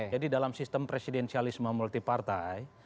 jadi dalam sistem presidensialisme multipartai